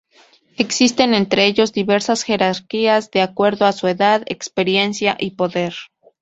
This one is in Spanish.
Existen entre ellos diversas jerarquías de acuerdo a su edad, experiencia y poder.